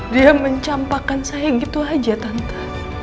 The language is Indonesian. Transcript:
dia mencampakkan saya gitu aja tante